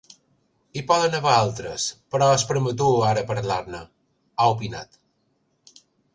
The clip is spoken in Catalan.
Hi poden haver altres, però és prematur ara parlar-ne, ha opinat.